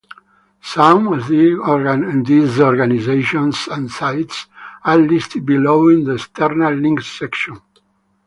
Some of these organizations and sites are listed below in the External links section.